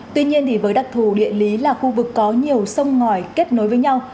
tuy nhiên với đặc thù địa lý là khu vực có nhiều sông ngòi kết nối với nhau